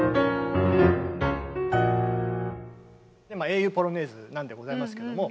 「英雄ポロネーズ」なんでございますけども。